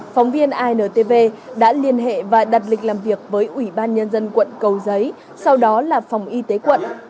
phóng viên intv đã liên hệ và đặt lịch làm việc với ủy ban nhân dân quận cầu giấy sau đó là phòng y tế quận